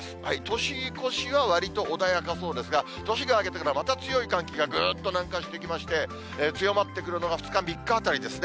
年越しはわりと穏やかそうですが、年が明けてからまた強い寒気がぐっと南下してきまして、強まってくるのが２日、３日あたりですね。